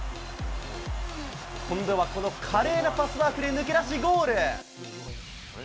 今度はこの華麗なパスワークで抜け出しゴール。